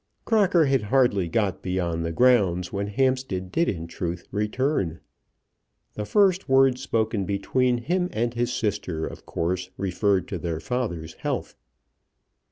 Crocker had hardly got beyond the grounds when Hampstead did in truth return. The first words spoken between him and his sister of course referred to their father's health.